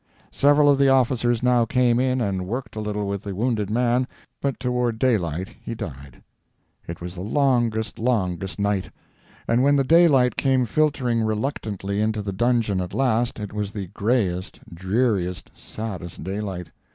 Several of the officers now came in and worked a little with the wounded man, but toward daylight he died. It was the longest, longest night! And when the daylight came filtering reluctantly into the dungeon at last, it was the grayest, dreariest, saddest daylight!